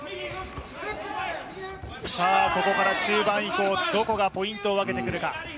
ここから中盤以降、どこがポイントを分けてくるか。